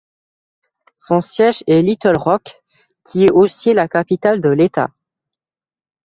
Son siège est Little Rock, qui est aussi la capitale de l'État.